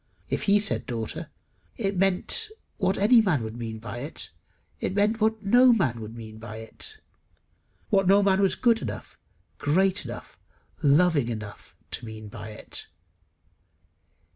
If he said Daughter, it meant what any man would mean by it; it meant what no man could mean by it what no man was good enough, great enough, loving enough to mean by it.